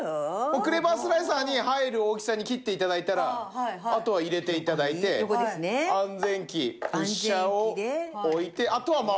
クレバースライサーに入る大きさに切って頂いたらあとは入れて頂いて安全器プッシャーを置いてあとは回すだけ。